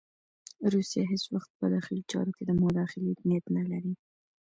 روسیه هېڅ وخت په داخلي چارو کې د مداخلې نیت نه لري.